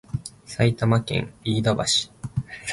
埼玉県飯田橋